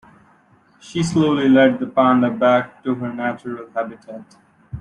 She slowly led the panda back to her natural habitat.